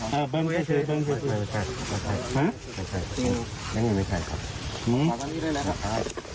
แดดของพ้ายตกอันนี้ด้วยนะครับ